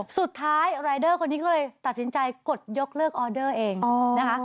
สุดท้ายรายเดอร์คนนี้ก็เลยตัดสินใจกดยกเลิกออเดอร์เองนะคะ